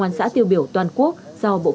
an xã tiêu biểu toàn quốc do bộ công an tổ chức